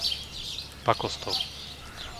Pakostov